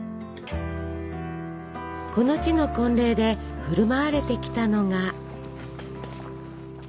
この地の婚礼で振る舞われてきたのが。